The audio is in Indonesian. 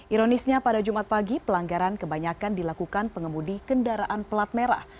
ironisnya pada jumat pagi pelanggaran kebanyakan dilakukan pengemudi kendaraan pelat merah